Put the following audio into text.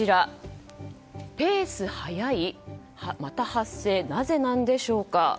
ペース早いまた発生なぜなんでしょうか。